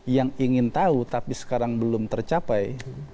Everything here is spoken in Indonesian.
yang ingin tahu tapi sekarang belum tercapai